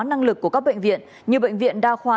năng lực của các bệnh viện như bệnh viện đa khoa